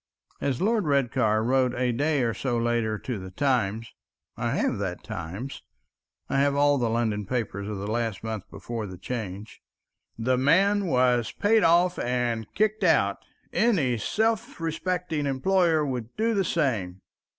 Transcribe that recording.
As Lord Redcar wrote a day or so later to the Times—I have that Times, I have all the London papers of the last month before the Change— "The man was paid off and kicked out. Any self respecting employer would do the same."